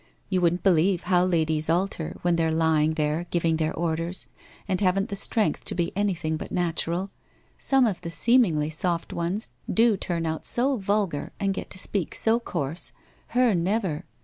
You wouldn't believe how ladies alter, when they're lying there giving their orders, and haven't the strength to be anything but natural. Some of the seem ing soft ones do turn out so vulgar and get to speak so course. Her never.